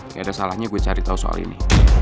kayaknya ada salahnya gue cari tau soal ini